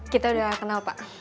kita udah kenal pak